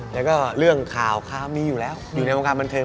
อืมเรื่องข่าวมีอยู่แล้วอยู่ในอาการมันเทิง